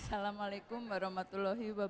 wassalamu'alaikum warahmatullahi wabarakatuh